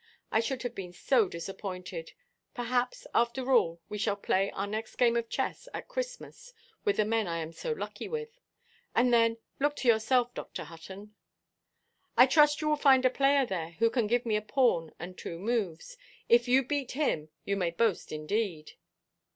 I should have been so disappointed—perhaps, after all, we shall play our next game of chess at Christmas with the men I am so lucky with. And then, look to yourself, Dr. Hutton." "I trust you will find a player there who can give me a pawn and two moves. If you beat him, you may boast indeed."